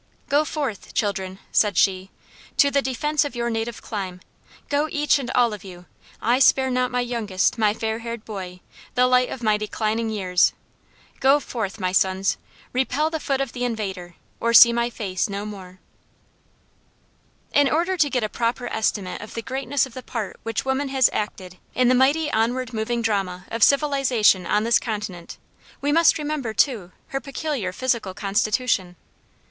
"Go forth, children," said she, "to the defence of your native clime. Go, each and all of you; I spare not my youngest, my fair haired boy, the light of my declining years. "Go forth, my sons! Repel the foot of the invader, or see my face no more." [Illustration: A VIRGINIA MATRON ENCOURAGING THE PATRIOTISM OF HER SONS AT THE DEATH BED OF THEIR FATHER] In order to get a proper estimate of the greatness of the part which woman has acted in the mighty onward moving drama of civilization on this continent, we must remember too her peculiar physical constitution.